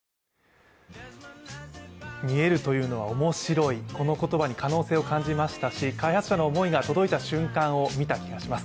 見えるというのは面白い、この言葉に可能性を感じましたし開発者の思いが届いた瞬間を見た気がします。